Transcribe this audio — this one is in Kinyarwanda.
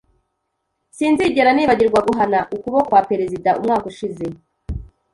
Sinzigera nibagirwa guhana ukuboko kwa Perezida umwaka ushize.